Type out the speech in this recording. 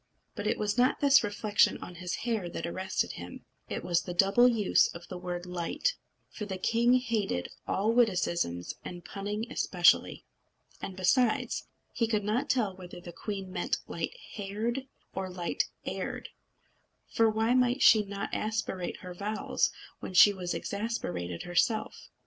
But it was not this reflection on his hair that arrested him; it was the double use of the word light. For the king hated all witticisms, and punning especially. And besides, he could not tell whether the queen meant light haired or light heired; for why might she not aspirate her vowels when she was exasperated herself?